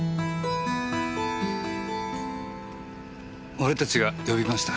俺たちが呼びました。